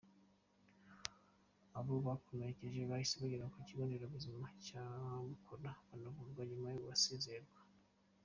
Abo yakomerekeje bahise bajyanwa ku Kigo Nderabuzima cya Bukora, baravurwa nyuma barasezererwa.